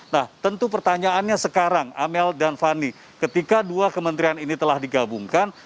nah tentu pertanyaannya sekarang amel dan fani ketika dua kementerian ini telah digabungkan